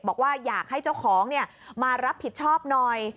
บอกว่าอยากให้เจ้าของมารับผิดชอบหน่อย